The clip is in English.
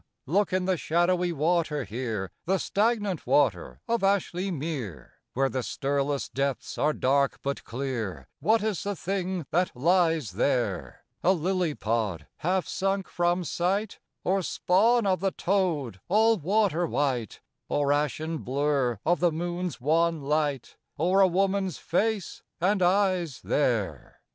look in the shadowy water here, The stagnant water of Ashly Mere: Where the stirless depths are dark but clear, What is the thing that lies there? A lily pod, half sunk from sight? Or spawn of the toad, all water white? Or ashen blur of the moon's wan light? Or a woman's face and eyes there?